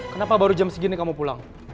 kenapa baru jam segini kamu pulang